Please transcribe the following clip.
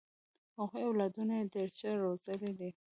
هغوی اولادونه یې ډېر ښه روزلي دي.